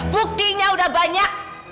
buktinya udah banyak